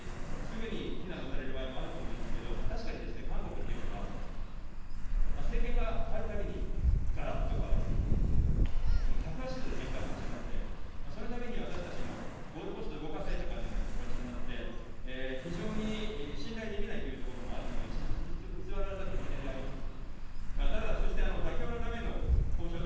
やはりすぐに非難もされる場合もあると思うんですけど、確かに韓国っていうのは、政権が変わるたびにがらっと変わる、もう１８０度転換してしまって、そのたびに私たちも、ゴールポストを動かされたかのような気持ちになって、非常に信頼できないというところもあるのが、偽らざる本音であります。